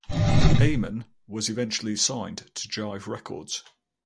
Eamon was eventually signed to Jive Records.